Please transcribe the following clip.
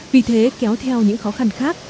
vì thế kéo theo những khó khăn khác